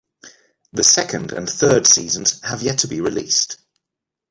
The second and third seasons have yet to be released.